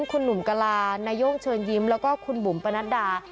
คุณหนุ่มกลานาย่งเชิญยิ้มแล้วก็คุณบุ๋มปนัดดา